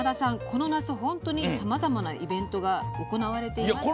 この夏、本当にさまざまなイベントが行われています。